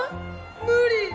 無理！